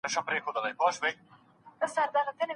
خپل ځان په پوره صداقت سره وپېژنئ.